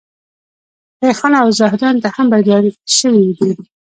شیخانو او زاهدانو ته هم بد ویل شوي دي.